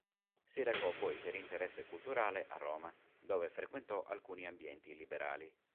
Si recò poi per interesse culturale a Roma, dove frequentò alcuni ambienti liberali.